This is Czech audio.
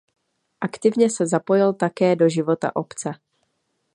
Aktivně se zapojil také do života obce.